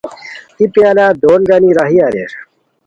ای پیالا دون گانی راہی اریر